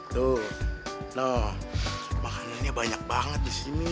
tuh loh makanannya banyak banget disini